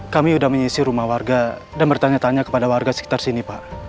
kami sudah menyisi rumah warga dan bertanya tanya kepada warga sekitar sini pak